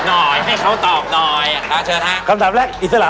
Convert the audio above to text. หน่อยให้เขาตอบนายน่ะเชิญ฼าคำถามแรกอิสระ